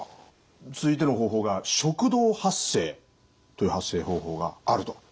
続いての方法が食道発声という発声方法があると。